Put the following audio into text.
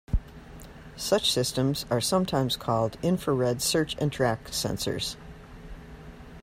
Such systems are sometimes called infrared search and track sensors.